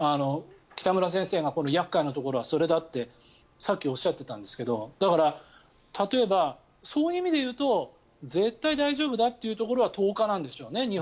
北村先生が厄介なところはそれだってさっきおっしゃってたんですけどだから例えばそういう意味で言うと絶対に大丈夫だというところは１０日なんでしょうね。